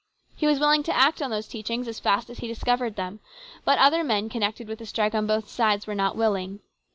He was willing to act on those teachings as fast as he discovered them, but other men connected with the strike on both sides were not willing.